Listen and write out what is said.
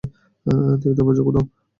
দেখতে পাচ্ছো কোথাও?